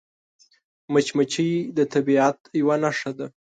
مچمچۍ د طبیعت یوه نښه ده